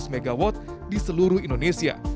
dua enam ratus mw di seluruh indonesia